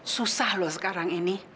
susah loh sekarang ini